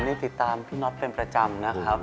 นี่ติดตามพี่น็อตเป็นประจำนะครับ